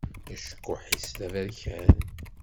Acekkuḥ-is d aberkan.